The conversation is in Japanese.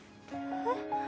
えっ？